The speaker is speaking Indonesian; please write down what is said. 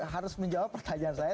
harus menjawab pertanyaan saya